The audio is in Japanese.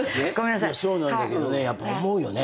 いやそうなんだけどねやっぱ思うよね。